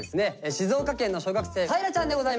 静岡県の小学生さえらちゃんでございます。